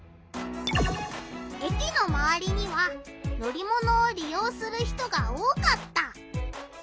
駅のまわりには乗り物をりようする人が多かった。